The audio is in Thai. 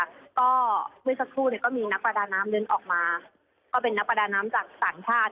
แล้วก็เมื่อสักครู่เนี่ยก็มีนักประดาน้ำเดินออกมาก็เป็นนักประดาน้ำจากต่างชาติ